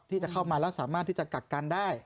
ที่จะเข้ามาแล้วสามารถที่จะกักกันได้